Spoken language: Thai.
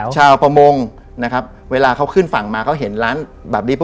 ชาวประมงนะครับเวลาเขาขึ้นฝั่งมาเขาเห็นร้านแบบนี้ปุ